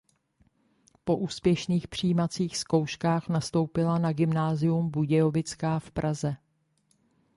Po úspěšných přijímacích zkouškách nastoupila na Gymnázium Budějovická v Praze.